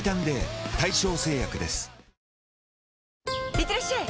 いってらっしゃい！